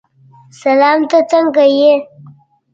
سلام ته څرې یې؟